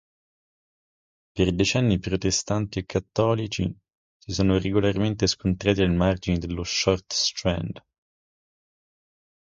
Per decenni protestanti e cattolici si sono regolarmente scontrati ai margini dello Short Strand.